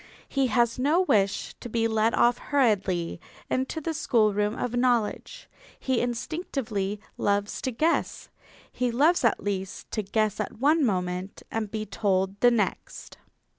He has no wish to be led off hurriedly into the schoolroom of knowledge. He instinctively loves to guess. He loves at least to guess at one moment and to be told the next.